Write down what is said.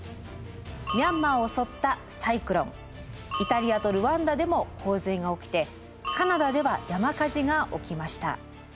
ミャンマーを襲ったサイクロンイタリアとルワンダでも洪水が起きてカナダでは山火事が起きました。